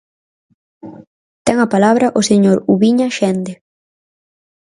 Ten a palabra o señor Ubiña Xende.